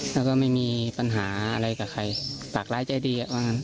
แล้วก็ไม่มีปัญหาอะไรกับใครปากร้ายใจดีว่างั้น